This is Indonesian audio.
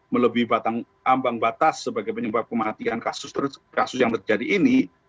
melebih ambang batas sebagai penyebab kematian kasus yang terjadi ini